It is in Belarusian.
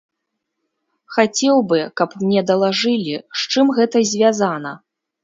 Хацеў бы, каб мне далажылі, з чым гэта звязана.